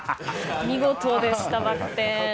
お見事でした、バク転。